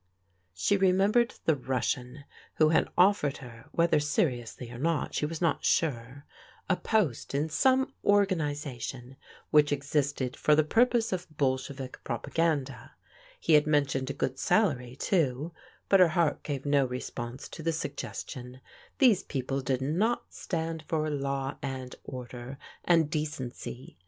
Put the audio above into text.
She remembered the Russian who had offered her — whether seriously or not she was not sure — a post in some organization which existed for the purpose of Bol shevik propaganda. He had mentioned a good salary, too, but her heart gave no response to the suggestion. These people did not stand for law and order, and de^ THE HORROR OF THE AWAKENING 247 cency.